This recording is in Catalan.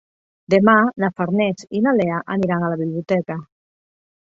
Demà na Farners i na Lea aniran a la biblioteca.